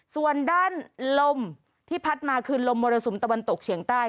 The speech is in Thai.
ส่วนด้านลมที่พัดมาคือลมมรสุมตะวันตกเฉียงใต้